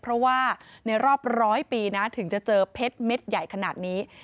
เพราะว่าในรอบร้อยปีนะถึงจะเจอเพชรเม็ดใหญ่ขนาดนี้